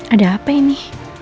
ada apa ini